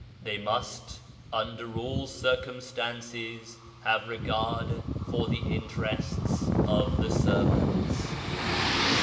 They must under all circumstances have regard for the interests of the servants.